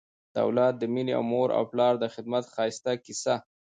د اولاد د مینې او مور و پلار د خدمت ښایسته کیسه